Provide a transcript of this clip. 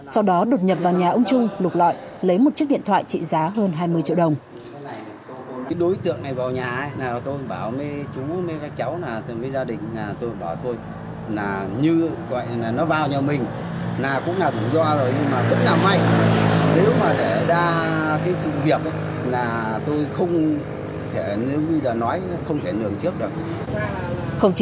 sau đó đột nhập vào nhà ông trung lục loại lấy một chiếc điện thoại trị giá hơn hai mươi triệu đồng